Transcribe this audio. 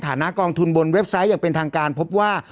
ฐานะกองทุนบนเว็บไซต์อย่างเป็นทางการพบว่า